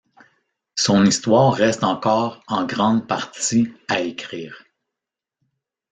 Son histoire reste encore en grande partie à écrire.